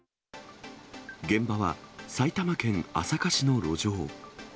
現場は埼玉県朝霞市の路上。